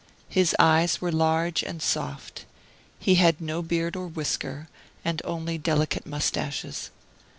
His eyes were large and soft. He had no beard or whisker, and only delicate moustaches.